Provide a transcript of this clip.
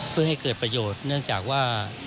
เพื่อให้เกิดประโยชน์เนื่องจากว่า